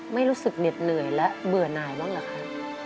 ไม่รู้สึกเหนื่อยและเบื่อหน่ายบ้างเหรอคะ